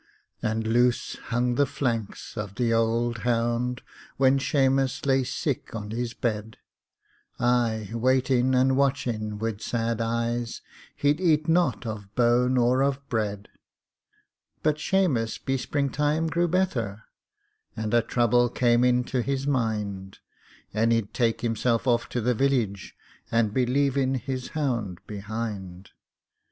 And loose hung the flanks av the ould hound When Shamus lay sick on his bed Ay, waitin' and watchin' wid sad eyes He'd eat not av bone or av bread! But Shamus be springtime grew betther, And a trouble came into his mind; And he'd take himself off to the village, And be leavin' his hound behind!